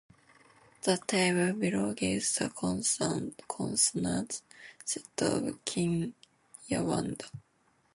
The table below gives the consonant set of Kinyarwanda.